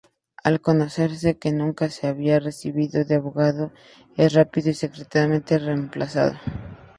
Al conocerse que nunca se había recibido de abogado es rápida y secretamente reemplazado.